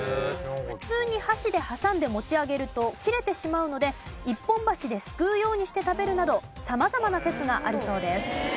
普通に箸で挟んで持ち上げると切れてしまうので一本箸ですくうようにして食べるなど様々な説があるそうです。